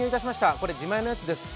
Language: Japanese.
これ、自前のやつです。